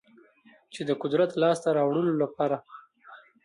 چې د قدرت لاسته راوړلو لپاره